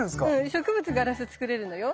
植物ガラス作れるのよ。